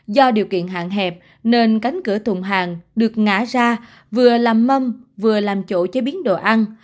do điều kiện hạn hẹp nên cánh cửa tùng hàng được ngã ra vừa làm mâm vừa làm chỗ chế biến đồ ăn